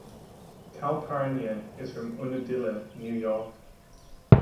Karl Paranya is from Unadilla, New York.